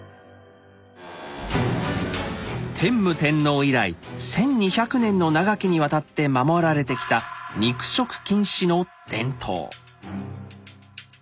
天武天皇以来１，２００年の長きにわたって守られてきた肉食禁止の伝統。